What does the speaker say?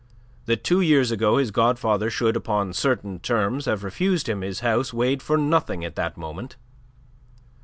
That two years ago his godfather should upon certain terms have refused him his house weighed for nothing at the moment.